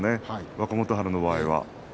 若元春の場合は。